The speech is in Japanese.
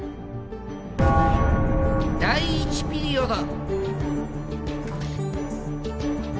第１ピリオド。